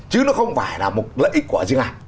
chứ nó không phải là một lợi ích của riêng ai